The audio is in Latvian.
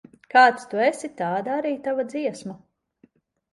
Kāds tu esi, tāda arī tava dziesma.